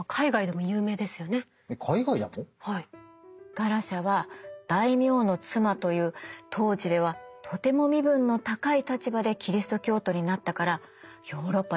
ガラシャは大名の妻という当時ではとても身分の高い立場でキリスト教徒になったからヨーロッパで話題になってたの。